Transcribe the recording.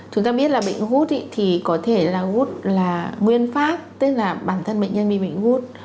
chúng ta biết là bệnh gút thì có thể là gút là nguyên pháp tức là bản thân bệnh nhân bị bệnh gút